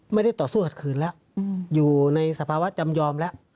ไม่ได้ต่อสู้ขัดขืนแล้วอยู่ในสภาวะจำยอมแล้ว